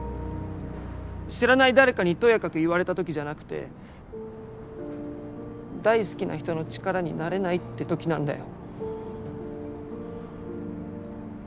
知らない誰かにとやかく言われた時じゃなくて大好きな人の力になれないって時なんだよ。